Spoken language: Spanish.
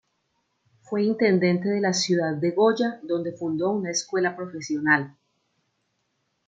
Fue intendente de la ciudad de Goya, donde fundó una escuela profesional.